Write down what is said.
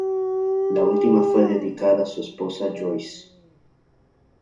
La última fue dedicada a su esposa, Joyce.